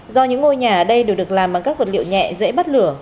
do những ngôi nhà ở đây đều được làm bằng các vật liệu nhẹ dễ bắt lửa